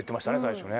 最初。